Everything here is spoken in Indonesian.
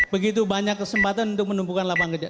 begitu banyak kesempatan untuk menumpukan lapangan kerja